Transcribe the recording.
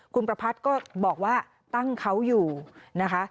คุณประพัทธ์ก็บอกว่าตั้งเขาอยู่นะคะ